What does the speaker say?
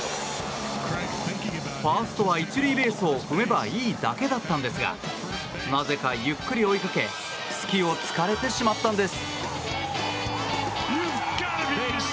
ファーストは１塁ベースを踏めばいいだけだったんですがなぜかゆっくり追いかけ隙を突かれてしまったんです。